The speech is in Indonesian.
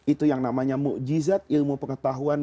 itu yang namanya mukjizat ilmu pengetahuan